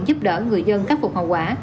giúp đỡ người dân khắc phục hậu quả